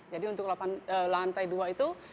jadi untuk lantai dua itu